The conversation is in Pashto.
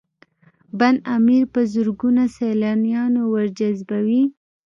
بند امیر په زرګونه سیلانیان ورجذبوي